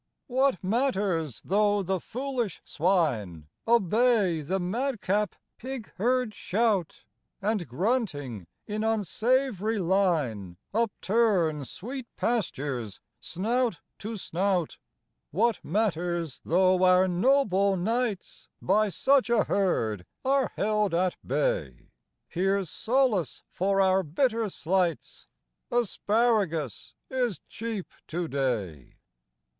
What matters though the foolish swine Obey the madcap pig herd's shout, And grunting in unsav'ry line Upturn sweet pastures snout to snout ! What matters though our noble knights By such a lierd are held at bay ! Here 's solace for our bitter slights :" Asparagus is cheap to day."